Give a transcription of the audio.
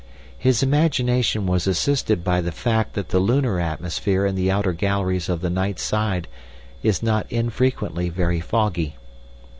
His imagination was assisted by the fact that the lunar atmosphere in the outer galleries of the night side is not infrequently very foggy.